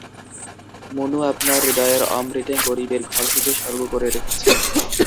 মুনু আপনার হৃদয়ের অমৃতে গরিবের ঘরটিকে স্বর্গ করে রেখেছে।